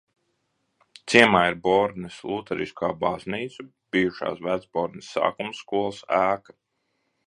Ciemā ir Bornes luteriskā baznīca, bijušās Vecbornes sākumskolas ēka.